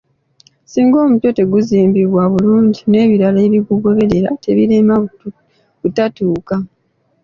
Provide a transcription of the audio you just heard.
Singa omutwe teguzimbibwa bulungi n’ebirala ebigugoberera tebiireme butatuuka.